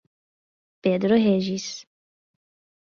Pedro Régis